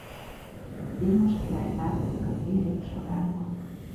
Vilmos király távozik az élők sorából.